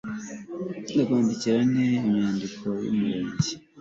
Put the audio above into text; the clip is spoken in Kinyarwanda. nakwandika nte inyandiko y'umurage